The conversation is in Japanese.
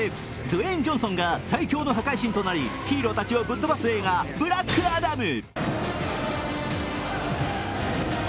ドゥエイン・ジョンソンが最恐の破壊神となりヒーローたちをぶっ飛ばす映画「ブラックアダム」。